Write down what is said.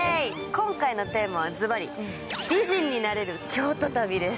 今回のテーマはズバリ、美人になれる京都旅です。